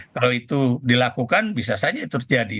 kalau itu dilakukan bisa saja itu terjadi